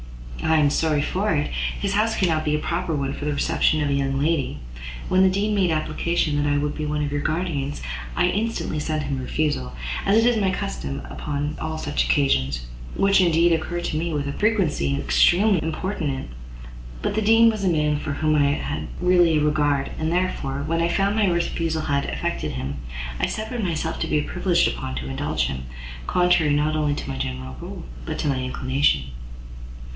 "I am sorry for it; his house cannot be a proper one for the reception of a young lady. When the Dean made application that I would be one of your guardians, I instantly sent him a refusal, as is my custom upon all such occasions, which indeed occur to me with a frequency extremely importunate: but the Dean was a man for whom I had really a regard, and, therefore, when I found my refusal had affected him, I suffered myself to be prevailed upon to indulge him, contrary not only to my general rule, but to my inclination."